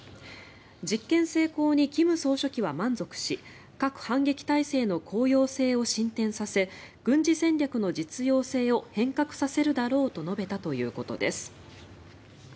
実験成功に金総書記は満足し核反撃態勢の効用性を進展させ軍事戦略の実用性を変革させるだろうと述べたということです。